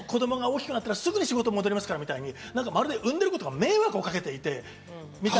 子供が大きくなったら、すぐに仕事に戻りますからみたいな、産んでることが迷惑をかけてるみたい。